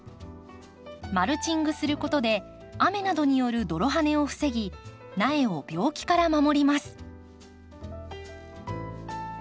マルチングすることで雨などによる泥はねを防ぎ苗を病気から守ります。